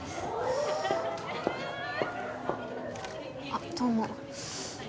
あっどうも。